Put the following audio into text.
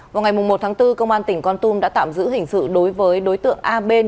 vào ngày một tháng bốn công an tỉnh con tum đã tạm giữ hình sự đối với đối tượng a bên